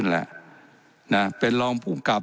และยังเป็นประธานกรรมการอีก